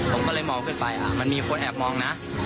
ผมก็เลยมองขึ้นไปมันมีคนแอบมองนะ